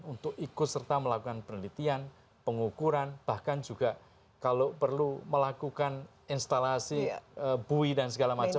untuk ikut serta melakukan penelitian pengukuran bahkan juga kalau perlu melakukan instalasi bui dan segala macam